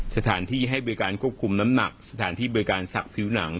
สถานที่ให้บริการควบคุมน้ำหนักสถานที่บริการศักดิ์ผิวหนัง